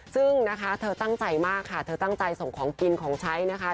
ซึ่งนะคะเธอตั้งใจมากค่ะเธอตั้งใจส่งของกินของใช้นะคะ